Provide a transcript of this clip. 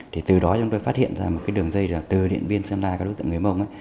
thì từ đó chúng tôi phát hiện ra một cái đường dây từ điện biên sang ra các đối tượng người mông